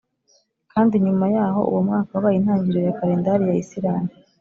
kandi nyuma yaho uwo mwaka wabaye intangiriro ya kalendari ya isilamu.